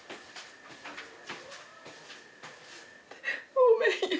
ごめんよ。